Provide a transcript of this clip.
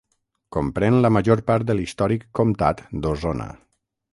Comprèn la major part de l'històric Comtat d'Osona.